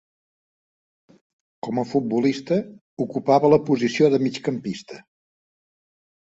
Com a futbolista ocupava la posició de migcampista.